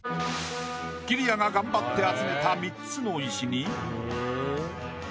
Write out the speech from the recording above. きりやが頑張って集めた３つの石に。